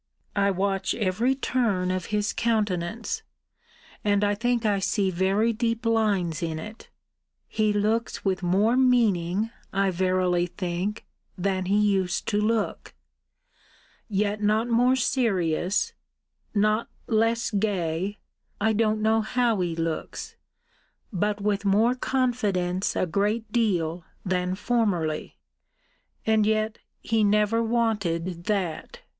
I watch every turn of his countenance: and I think I see very deep lines in it. He looks with more meaning, I verily think, than he used to look; yet not more serious; not less gay I don't know how he looks but with more confidence a great deal than formerly; and yet he never wanted that.